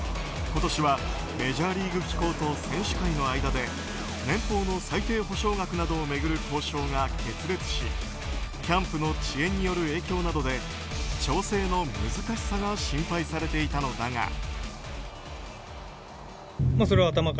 今年はメジャーリーグ機構と選手会の間で年俸の最低保証額などを巡る交渉が決裂しキャンプの遅延による影響などで調整の難しさが心配されていたのだが。